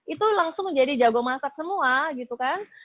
itu langsung menjadi jago masak semua gitu kan